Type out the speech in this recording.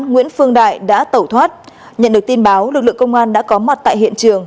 nguyễn phương đại đã tẩu thoát nhận được tin báo lực lượng công an đã có mặt tại hiện trường